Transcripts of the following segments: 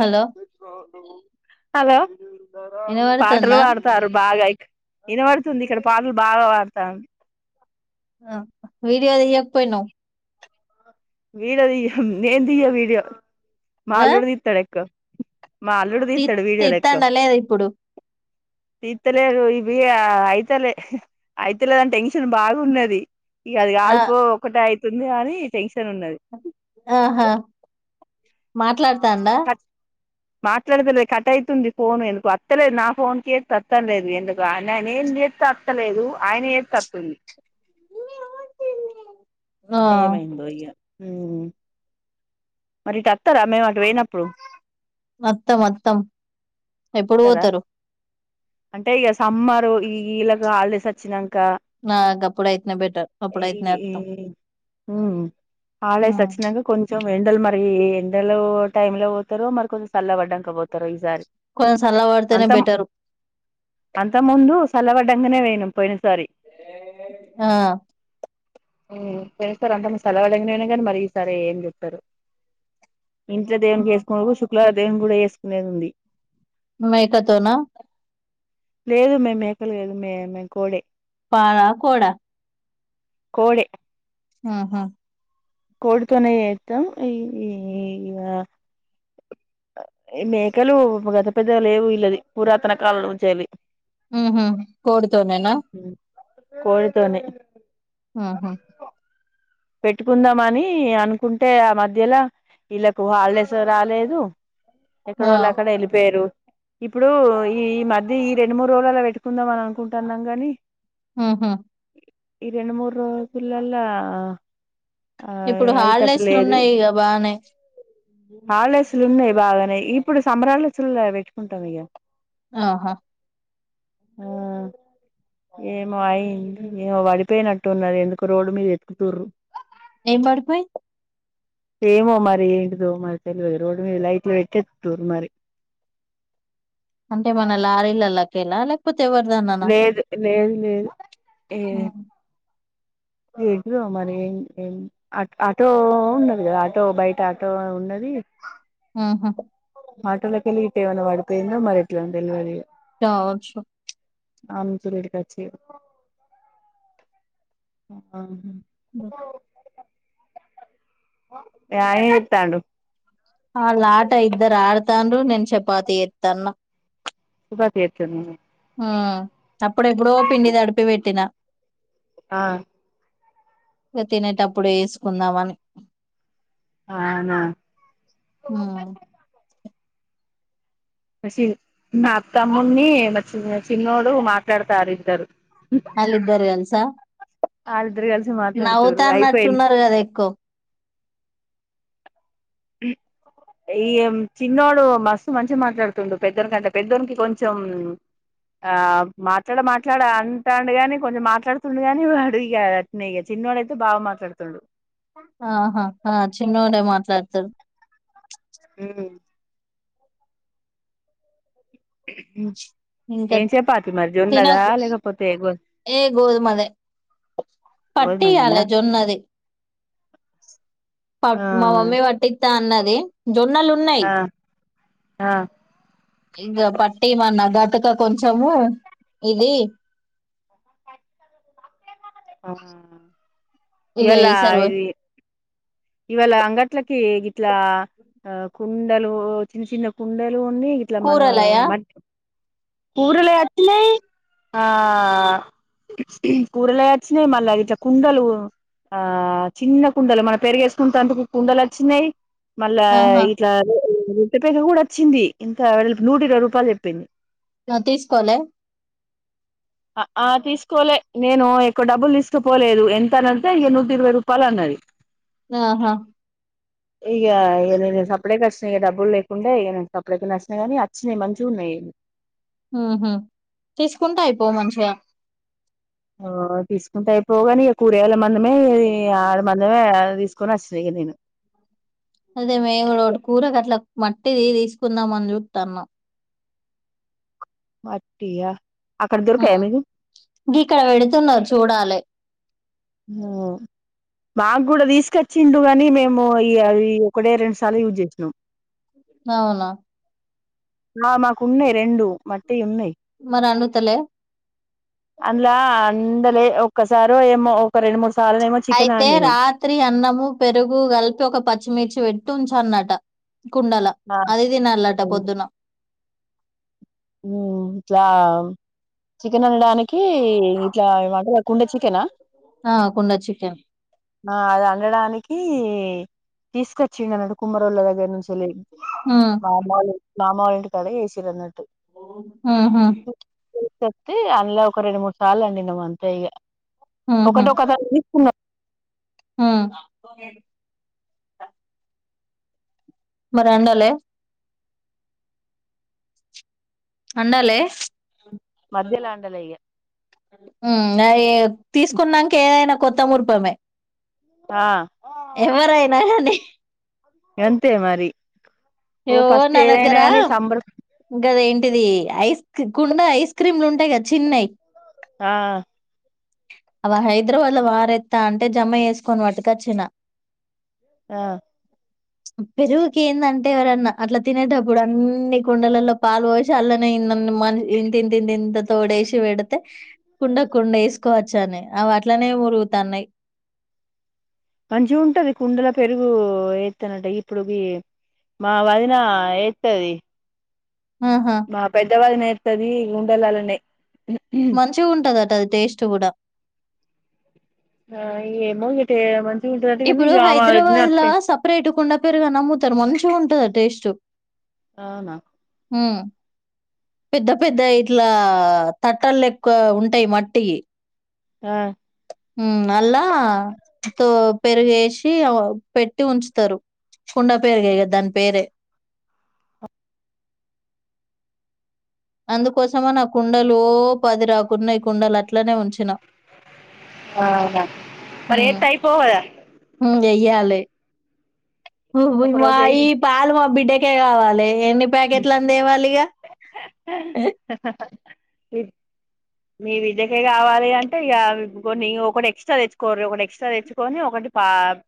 Hello hello పాటలు వినబడుతుందా పాడతారు బాగా విన [unintelligible] ఇక్కడ పాటలు బాగా [unintelligible] వీడియో తీయకపోయినావ్ వీడియో [unintelligible] నేను తీయ వీడియో మా అల్లుడు తీస్తాడు ఎక్కువ మా అల్లుడు తి తీస్తాడు తితండ లేదా ఇప్పుడు తీర్తలేరు ఇవి అయితలే అయితలేదని టెన్షన్ బాగున్నది ఇక అది ఆ కాదు పో ఒకటె అయి [unintelligible] ఉన్నది ఆహా మాట్లాడు తడా మాట్లాడతలే కట్ అయ్యింది ఫోను ఎందుకు అత్తలేదు నా ఫోన్ కి అత్తలేదు ఎందుకు నేను ఏం చేస్తే అత్తలేదు ఆయన చేస్తే అత్తుంది ఆ ఏమైందో ఇగ ఉ మరి ఇటు వస్తారా మేము మేము అట్టు పోయినా వత్తం వత్తం ఎప్పుడు వస్తారా పోతారు అంటే ఇక సమ్మారు ఈ వీళ్ళకి హాలిడేస్ వచ్చినాక నా అప్పుడు అయితేనే బెటర్ అప్పుడు అయితేనే అత్తాం మ్మ్ హాలిడేస్ వచ్చినాక కొంచెం ఎండలు మరి ఎండలు టైమ్ లో పోతారు మరి కొంచ చల్ల పడ్డాక పోతారు ఈసారి కొంచె సల్ల పడితేనే అంత బెటరు అంత ముందు సలవడకనే పోయినా పోయిన ఆ హ్మ్ సేస్తార్ అంత [unintelligible] గానే మరి ఈసారి ఏం చెప్తరో ఇంట్లో దేవుని [unintelligible] శు ల దేవుని గూడ వేసుకునేది ఉంది మేకతోనా లేదు మే మేకలు కాదుమే మేం కోడె పాళ కోడా కోడె ఆహా కోడితోనే చేత్తం ఈ గ మేకలు గత పెద్ద లేవు వీళ్ళది, పురాతన కాలం నుంచి యెళ్లి. మ్మ్ హ్మ్ కోడుతోనేనా కోడితోనే ఆహా పెట్టుకుందామని అనుకుంటే ఆ మధ్యలో వీళ్ళకు హాలిడేసు రాలేదు ఎక్కడ ఆ వాళ్ళు అక్కడే వెళ్ళిపేయిరు ఇప్పుడు ఈ మధ్య ఈ రెండు మూడు రోజులలా పెట్టుకుందాం అని అనుకుంటన్నాం గాని ఆహా ఇ రెండు మూడు రోజులల్లా ఇప్పుడు హాలిడేస్లు ఉన్నాయిగ బానే హాలిడేస్ లు ఉన్నాయి బాగానే ఇప్పుడు సమ్మర్ హాలిడేసుల పెట్టుకుంటాం ఇగ ఆహా ఆ ఏమో అయి ఏమో వడిపోయినట్టు ఉన్నది ఎందుకో రోడ్డు మీద ఎతుకుతుర్రు. ఏం వడుపోయ్ ఏమో మరి ఏంటిదో మరి తెలివదు రోడ్డు మీద లైట్లు పెట్టె ఎతుకుతుర్రు మరి. అంటే మన లారీలల్ల కెల్లా లేకపో లేేదు లేేదు లేదు ఏ ఏంటిదో మరి యేం ఏం అ ఆటో ఉన్నది కదా ఆటో బయట ఆటో ఉన్నది. ఆహా ఆటోల కెళ్లి ఇటు ఏమైన పడిపోయిందో మరి ఎట్లో దెల్వదిగ కావచ్చు ఆమ్ చురడి కచ్చి ఆ హ్ హుమ్మ్ బ యా ఎత్తండు ఆలా ఆట ఇద్దరు ఆడుతాండ్రు నేను చపాతి ఎత్తన్న చపాతి ఎత్తన్నవా ఆ అప్పుడెప్పుడో పిండి తడిపి పెట్టినా ఆ ఇక తినేటప్పుడే వేసుకుందామని ఆనా హ్మ్ చి నా తమ్ముని నా చి చిన్నోడు మాట్లాడుతారు ఇద్దారు అల్లిదారు అల్స వాళ్ళిద్దరు కలిసి మాట్లాడుతుర్రు నవ్వుతా అయిపోయింది అన్నట్టున్నారు కదా ఎక్కు ఈ చిన్నోడు మస్తు మంచిగా మాట్లాడుతుడు పెద్దకి అంటే పెద్దోకి కొంచెం ఆ మాట్లాడ మాట్లాడ అంటాడుగాని కొంచెం మాట్లాడుతుండుగాని వాడు ఇగా అట్నే ఇగ చిన్నోడుయితే బాగా మాట్లాడుతుడు ఆహా ఆ చిన్నోడే మాట్లాత ద ఇంకా ఏం చపాతి మరి జొన్నదా తినకు లేకపోతే గో ఏ గోధుమదే గోధుమదేనా పట్టియాలే జొన్నది పర్ ఆ మా మమ్మీ వటి అన్నది జోర్ న్నాలున్నాయ్ ఆ ఆ ఇంకా పట్టిమన్నా గటుక కొంచము ఇది ఆ ఇగ ఎలా ఈసారి ఇది ఇవాళ అంగట్లోకి కి ఇట్లా ఆ కుండలు చిన్న చిన్న కుండలు ఉంది ఇట్లా మన కూరలయా మట్ కూరలే అట్నాయ్ ఆ కూరలు వచ్చినాయి మళ్ళ కుండలు ఆ చిన్న కుండలు మనం పెరిగేసు కుంత అందుకు కుండలొచ్చి నయ్ మళ్ళా ఆహా ఇట్లా అదే రొట్టె పెనం కూడా వచ్చింది ఇంత నూట ఇరవై రూపాయలు చెప్పింది ఆ తీసుకోల ఆ ఆ తీసుకోలే నేను ఎక్కువ డబ్బులు తీసుకుపోలేదు ఎంత అన్అంటే ఇగ నూటా ఇరవై రూపాయలు అన్నది ఆహా ఇక ఇ నేను సప్లేకి వచ్చినా ఇక డబ్బులు లేకుండా ఇక నేను సప్డేక నచ్చినా గానీ వచ్చినాయి మంచిగా ఉన్నాయి ఉమ్ హు తీసుకుంటె అయిపోవ్ మంచిగా ఓ తీసుకుంటే అయిపోవ్ గాని ఇక కూరేగాళ్ల మందమే ఆడ మందమే తీసుకొని వస్తి దగ్గర నేన్ అదే మేము ఒకటి కూరకు అట్లా మట్టిది తీసుకుందాం అని చూతాన్నాం మట్టి యా ఉమ్ ఇక్కడ పెడుతున్నారు చూడాలే ఓ మాకు కూడా తీసుకొచ్చిండుగాన్ కానీ మేము ఈ అది ఒక్కడే రెండు సార్లు యూజ్ చేసినాం అవునా ఆ మాకు ఉన్నాయి్ రెండు మట్టియ్ ఉన్నాయి్ మరి అన్ను తలే అందులా అందలే ఒక్కసారో ఏమో ఒక రెండు మూడు సార్లు ఏమో చికెన్ అయితే అండిను రాత్రి అన్నము పెరుగు కలిపి ఒక పచ్చిమిర్చి వెట్ తుంచ్ అన్నట్ కుండల ఆ అది తినల్లట పొద్దున ఉ ఇట్లా చికెన్ అనడానికి ఇట్లా మాట కుండ చికెనా ఆ కుండ చికెన్ ఆ అది అండడానికి తీసుకొచ్చింది అన్నటు కుమ్మరొళ్ళ దగ్గర నుసులే ఉ మాములే మామ వాల్లింటి కడ వేసిర అన్నట్టు ఆ హా చెప్తే అందులో ఒక రెండు మూడు సార్లు అనిండేమో అంతే ఇగ ఒకటి ఒకసారి తీసుకున్నారు ఆ మరఅండలే అన్నాలే మధ్యలో అండలే ఇగ ఆ నాయే తీసుకున్నాక ఏదైనా కొత్త మురిపమే ఆ కానీ అంతే మరి ఓ యో ఫస్ట్ నా ఏదైనా దగ్గరా గాని సంబర గద ఏం ది ఐస్ కుండా ఐస్ క్రీమ్లు ఉంటాయి కదా చిన్నవి ఆ అవ హైదరాబాద్లో వారెత్త అంటే జమ వేసుకొని పట్టుకొచ్చిన ఆ పెరుగుకింద అన్ అట్టే ఎవరన్నా అట్లా తినేటప్పుడు అన్ని కుండలలో పాలు పోసి అల్లనే మ ఇంతి నింత తంత తోడేసి పెడితే కుండ కుండ ఎసుకో వచ్చనే అవి అట్లనే మొరుగుతన్నాయ్ మంచిగ ఉంటది కుండల పెరుగు ఏత్తనంట ఇప్పుడుకి మా వదిన వేస్తది ఆహా మా పెద్దవాళ్ళ నై స్తది గుండలలనే మంచిగ ఉంటందట అద్ టేస్ట్ కూడా ఆ ఏమో ఇక ఏమన్ ఇప్పుడు హైదరాబాద్ లా సపరేట్ కుండ పెరుగు నమ్ముతారు మంచిగా ఉంటది టేస్ట్ స అవునా ఆ పెద్ద పెద్ద ఇట్లా తట్టలెక్క ఉంటాయి మట్టి ఆ ఉం అల్ల తో పెరుగేసి పెట్టి ఉంచుతారు కుండా పెరుగే ఇగ దాని పేరే అందుకోసమ నా కుండలు ఓ పది రాకున్నా ఈ కుండలు అట్లనే ఉంచిన ఆహా మరి ఏత్తే అయిపో కదా ఉం గెయ్యాలే ఒక మా రోజు ఈ ఎయ్యి పాలు మా బిడ్డకే కావాలే ఎన్ని ప్యాకెట్లు అని దేవలిగా స స మీ విద్యకే కావాలి అంటే ఇక అవి కొన్ని ఒకటి ఎక్స్ట్రా తెచ్చుకోర్రీ ఒకటి ఎక్స్ట్రా తెచ్చుకొని ఒకటి పా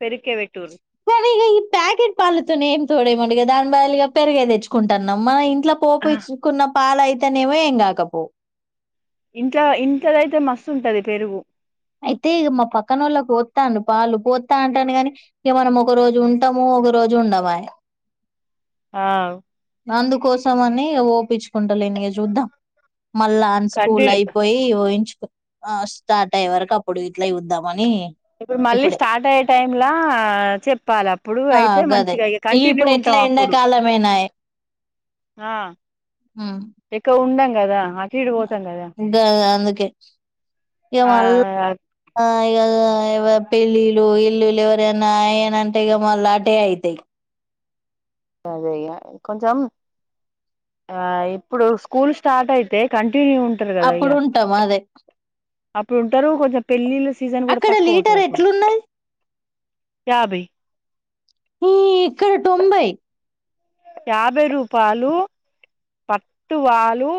పెరుక్కే పెట్టుర్రి కానీ ఇ ఈ ప్యాకెట్ పలుతోనే ఏం తోడేయమండి దాని బదలు ఇగ పెరిగే తెచ్చుకుంటున్నాం మా ఇ ఇట్లా పోపిచ్చుకున్న పాలయి ఇతనేవ ఎంగాకపో ఇంట్లో ఇంట్లోదైతే మస్తు ఉంటది పెరుగు అయితే ఇగ మా పక్కనొల్లకి పోత్తను పాలు పోత్తా అంటాను గాని ఇక మనం ఒక రోజు ఉంటాము ఒక రోజు ఉండమాయే అ అందుకోసం అని ఇగ ఓపించు కుంటలేనిగ చూద్దాం మళ్ళా అని స్కూల్ కంటిన్యూ అయిపోయి ఊయించు ఆ స్టార్ట్ ఐ వరకు అప్పుడు ఇట్లా చూద్దామని ఇప్పుడు మళ్ళీ ఇప్పుడే స్టార్ట్ అయ్యే టైమ్లా చెప్ ఆ గదే ఇగ ఇప్పుడు ఎట్లా ఉంటాం అప్పుడు ఎండాకాలమేనాయే ఆ ఇక ఉండం కదా అటు ఇటు పోతాం కదా గదే అందు కె ఇగ ఆ మల్ల ఇగగా వ పెళ్ళలు ఇల్లులు ఎవరియన్న అయనంటే ఇక మళ్ళ అటే అయితాయ్ అదే ఇగ కొంచెం ఆ ఇప్పుడు స్కూల్ స్టార్ట్ అయితే కం టిన్యూ ఉంటారు ఇగ అప్పుడు ఉంటాం అదే అట్లు ఉంటారు కొంచెం పెళ్ళిళ్ళ సీజన్ కూడా అక్కడ తక్కువ ఉంటది లీటర్ అప్పుడు ఎట్లున్నది యాభై ఈ ఇక్కడ టొంబై యాభై రూపాయలు పట్టువాలు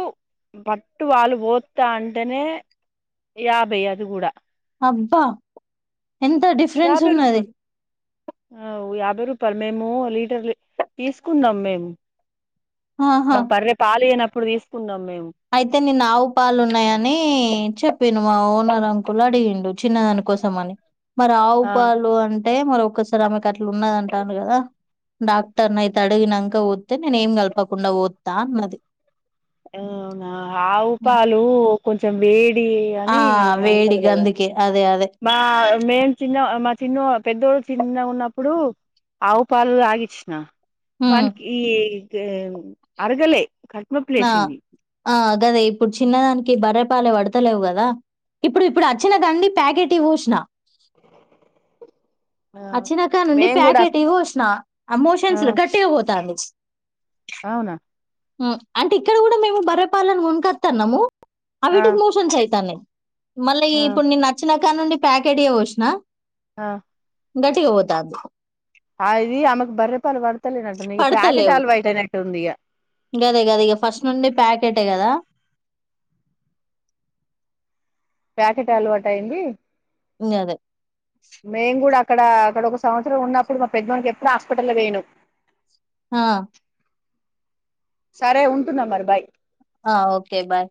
పట్టువాలు పోత్తా అంటేనే యాభై అది కూడా అబ్బా ఎంత డిఫరెన్స్ యాభై ఉన్నది రూపాయలు యాభై రూపాయలు మేము లీటర్లు తీసుకుందాం మేము ఆహా మాక్ బర్రే పాలు ఇయ్యనప్ ప్డు దీస్కున్నాం అయితే నిన్న ఆవు పాలు ఉన్నాయని చెప్ ప మా ఓనరకులడింగిండు వచ్చిన దానికోసం అని మరి ఆవు ఆ పాలు అంటే అంటే మర ఒక్కసారి ఆమెకు అట్లా ఉన్నదంటాను కదా డాక్టర్ని అయితే అడిగినాక పోతే నేను ఏం కలపకుండా పోద్దా అన్నది అవునా ఆవు పాలు కొంచెం వేడి ఆ అని వేడి అంటారు కదా గధకి అదే అ మా మేం చిన్న మా చిన్న పెద్దోళు చిన్న ఉన్నప్పుడు ఆవు పాలు ఆగిచ్చిన హ్మ్ పన్కి ఈ జేం అరుగలే కడ్ప్నొ ప్లేసేది గదా ఇప్పుడు చిన్నదానికి బర్రెపాలే వడ్తలేవు కదా ఇప్పుడు ఇప్పుడు వచ్చినదండి ప్యాకెట్ ఇవసిన అచ్చినాక నుండి మేము కూడా ప్యాకెట్ ఇవ వచ్చినా ఆ అమోషన్స్ లో గట్టి గపోతాంది అవునా హ అంటే ఇక్కడ కూడా మేము బర్రెపాలను కొన్కత్తాన్నాము ఆ అవిటికి మోషన్స్ అయితాన్నయి మళ్ళీ ఆ ఇప్పుడు నిన్నచ్చిన నుండి ప్యాకెట్ ఏ వోశ్న ఆ గటిగబోతాం ఆయిది ఆమగ్ బరే పాల్ వాడుత టున్నయి ప్యాకెట్ ఆల్వాట్ అయినయి ఉందిగ గదె గదె ఇగ ఫస్ట్ నుండి ప్యాకెటే గదా ప్యాకెట్ అలవా టైంది ఇం అదే కూడా అక్కడ అక్కడ ఒక సంవత్సరం ఉన్నప్పుడు మా పెద్ద మనకి ఎప్పుడు హాస్పిటల్ వేను హా సరే ఉంటున్న మరి బాయ్ ఆ ఓకే బాయ్